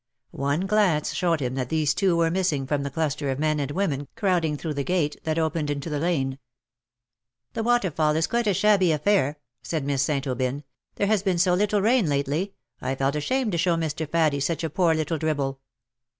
One glance showed him that these two were missing from the cluster of men and women crowding through the gate that opened into the lane. " The waterfall is quite a shabby affair/ ' said Miss St. Aubyn ;'^ there has been so little rain lately, I felt ashamed to show Mr. Faddie such a poor little dribble.